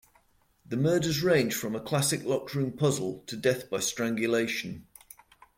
The murders ranged from a classic locked-room puzzle to death by strangulation.